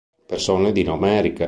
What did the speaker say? Persone di nome Erika